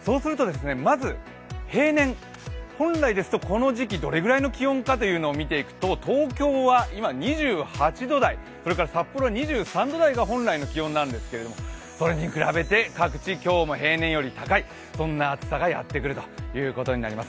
まず平年、本来ですとこの時期、どれぐらいの気温かというのを見ていくと東京は２８度台、札幌は２３度台が本来の気温なんですけれども、それに比べて各地、今日も平年より高いそんな暑さがやってくるということになります